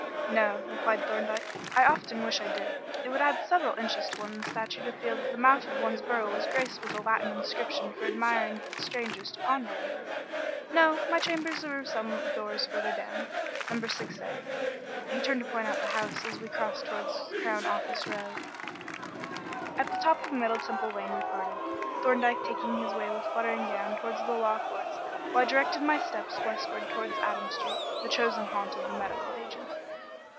"No," replied Thorndyke. "I often wish I did. It would add several inches to one's stature to feel that the mouth of one's burrow was graced with a Latin inscription for admiring strangers to ponder over. No; my chambers are some doors further down number 6A" and he turned to point out the house as we crossed towards Crown Office Row. At the top of Middle Temple Lane we parted, Thorndyke taking his way with fluttering gown towards the Law Courts, while I directed my steps westward towards Adam Street, the chosen haunt of the medical agent.